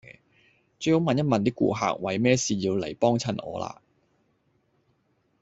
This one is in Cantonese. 最好問一問啲顧客為咩事要嚟幫襯我啦